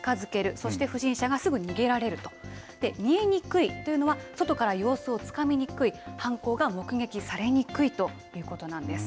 そして不審者がすぐ逃げられると見えにくいというのは外から様子をつかみにくい犯行が目撃されにくいということなんです。